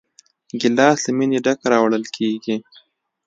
ګیلاس له مینې ډک راوړل کېږي.